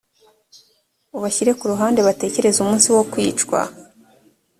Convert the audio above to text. ubashyire ku ruhande bategereze umunsi wo kwicwa